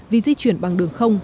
vì di chuyển bằng đường không